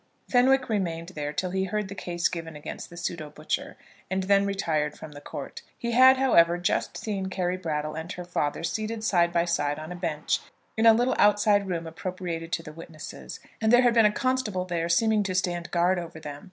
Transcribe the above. Fenwick remained there till he heard the case given against the pseudo butcher, and then retired from the court. He had, however, just seen Carry Brattle and her father seated side by side on a bench in a little outside room appropriated to the witnesses, and there had been a constable there seeming to stand on guard over them.